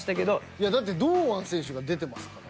いやだって堂安選手が出てますから。